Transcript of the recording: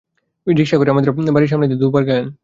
রিকশা করে আমাদের বাড়ির সামনে দিয়ে দু বার গেলেন।